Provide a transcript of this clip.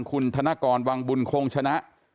คุณธนกรวังบุญคงชนะ